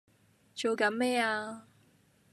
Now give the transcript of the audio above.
做緊咩呀